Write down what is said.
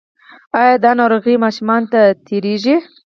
ایا دا ناروغي ماشومانو ته تیریږي؟